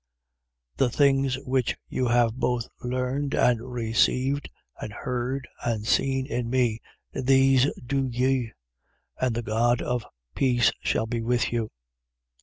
The things which you have both learned and received and heard and seen in me, these do ye: and the God of peace shall be with you.